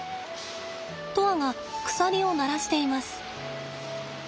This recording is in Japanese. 砥愛が鎖を鳴らしています。